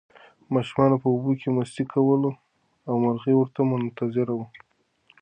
ماشومانو په اوبو کې مستي کوله او مرغۍ ورته منتظره وه.